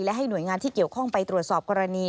และให้หน่วยงานที่เกี่ยวข้องไปตรวจสอบกรณี